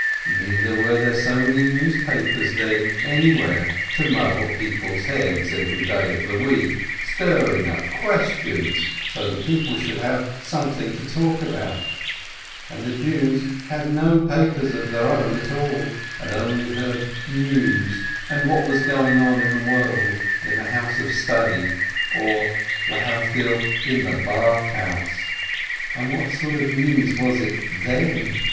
Neither were there so many newspapers then, any where, to muddle people's heads every day of the week, stirring up questions, so that people should have some thing to talk about, and the Jews had no papers of their own at all, and only heard "news" and "what was going on in the world" in the house of study or (lehavdil!) in the bath house. And what sort of news was it then?